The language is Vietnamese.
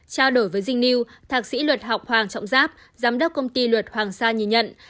trao đổi với jeng news thạc sĩ luật học hoàng trọng giáp giám đốc công ty luật hoàng sa nhìn nhận